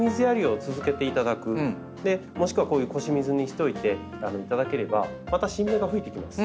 もしくはこういう腰水にしておいていただければまた新芽が吹いてきます。